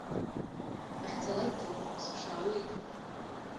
Бахьцалакгьы бсыԥшаауеит.